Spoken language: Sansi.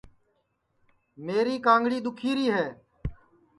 میری کانگڑی دُؔکھیری ہے